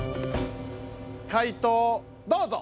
解答どうぞ！